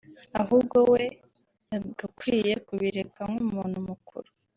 ahubwo we yagakwiye kubireka nk’umuntu mukuru